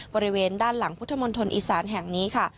บริเวณด้านหลังพุทธมณฑลอีสานแห่งนี้ค่ะ